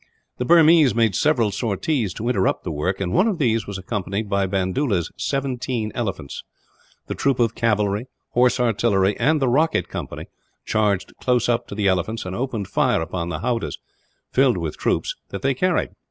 The Burmese made several sorties to interrupt the work, and one of these was accompanied by Bandoola's seventeen elephants. The troop of cavalry, horse artillery, and the rocket company charged close up to the elephants; and opened fire upon the howdahs, filled with troops, that they carried.